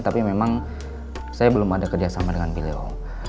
tapi memang saya belum ada kerjasama dengan beliau